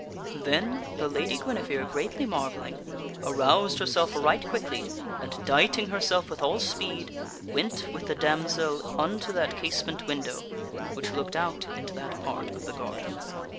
Then the Lady Guinevere, greatly marvelling, aroused herself right quickly, and, dighting herself with all speed, went with the damsel unto that casement window which looked out into that part of the garden.